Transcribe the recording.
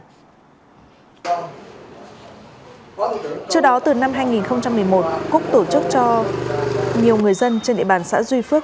trước đó từ năm hai nghìn một mươi một cúc tổ chức cho nhiều người dân trên địa bàn xã duy phước